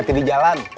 hati hati di jalan